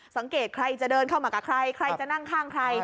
สังเกตใครจะเดินเข้ามากับใครใครจะนั่งข้างใคร